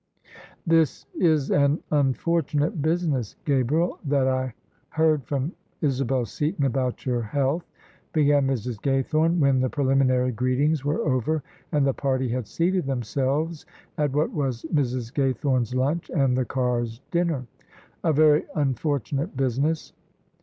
"This is an unfortunate business, Gabriel, that I heard from Isabel Seaton about your health," began Mrs. Gay thome, when the preliminary greetings were over and the party had seated themselves at what was Mrs. Gaythome's lunch and the Carrs' dinner. "A very unfortunate busi ness!"